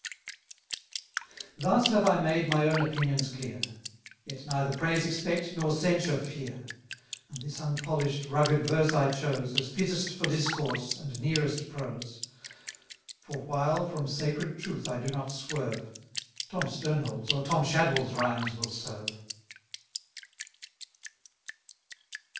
450 Thus have I made my own opinions clear; Yet neither praise expect, nor censure fear: And this unpolish'd, rugged verse I chose, As fittest for discourse, and nearest prose: For while from sacred truth I do not swerve, Tom Sternhold's or Tom Shadwell's rhymes will serve.